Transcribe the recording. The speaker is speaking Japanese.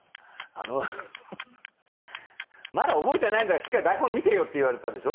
あの「まだ覚えてないんだからしっかり台本見てよ」って言われたでしょ？